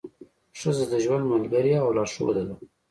ښځه د ژوند ملګرې او لارښوده ده.